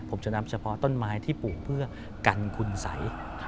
ผมจะนับเฉพาะต้นไม้ที่ปลูกเพื่อกันคุณสัย